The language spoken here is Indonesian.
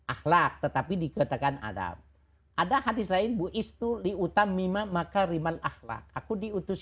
ahlak tetapi dikatakan adab ada hadits lain bu istu li utam mimah maka riman ahlak aku diutus